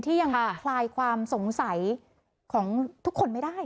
ยังคลายความสงสัยของทุกคนไม่ได้